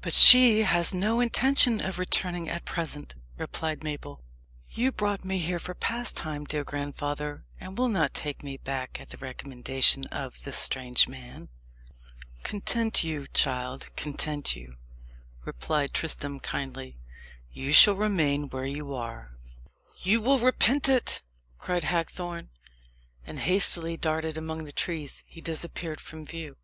"But she has no intention of returning at present," replied Mabel. "You brought me here for pastime, dear grandfather, and will not take me back at the recommendation of this strange man?" "Content you, child content you," replied Tristram kindly. "You shall remain where you are." "You will repent it!" cried Hagthorne. And hastily darting among the trees, he disappeared from view.